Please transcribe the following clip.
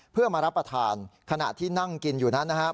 เพื่อมารับประทานขณะที่นั่งกินอยู่นั้นนะครับ